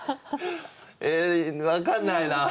ええ分かんないな。